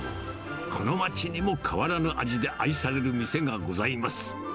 この街にも変わらぬ味で愛される店がございます。